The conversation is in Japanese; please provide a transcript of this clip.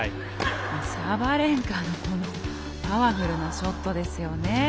サバレンカのパワフルなショットですよね。